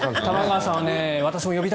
玉川さんはね